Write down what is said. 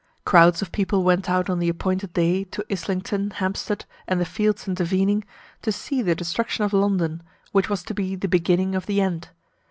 Crowds of people went out on the appointed day to Islington, Hampstead, and the fields intervening, to see the destruction of London, which was to be the "beginning of the end."